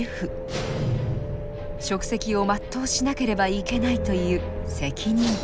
職責を全うしなければいけないという責任感。